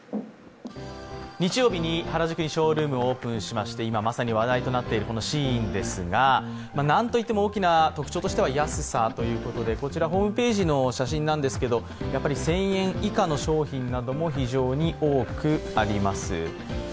日曜日に原宿にショールームをオープンしまして、今まさに話題となっているＳＨＥＩＮですがなんといっても大きな特徴としては安さということでこちらホームページの写真なんですけど、１０００円以下の商品なども非常に多くあります。